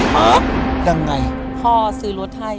มายังไงพ่อซื้อรถให้